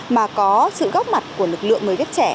mà có sự góp mặt của lực lượng người viết trẻ